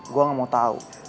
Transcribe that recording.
gue gak mau tau